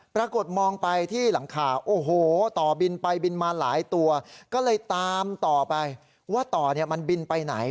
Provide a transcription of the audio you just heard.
ปรากฏมองไปที่หลังคาโอ้โหต่อบินไปบินมาหลายตัวก็เลยตามต่อไปว่าต่อเนี่ยมันบินไปไหน